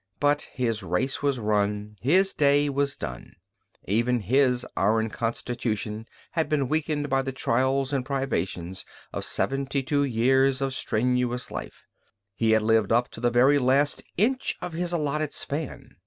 But his race was run, his day was done. Even his iron constitution had been weakened by the trials and privations of seventy two years of strenuous life. He had lived up to the very last inch of his allotted span.